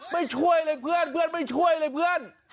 ไม่ช่วยเลยเพื่อนเพื่อนไม่ช่วยเลยเพื่อน